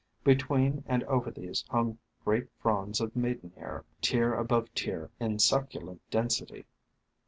Between and over these hung great fronds of Maidenhair, tier above tier, in suc culent density.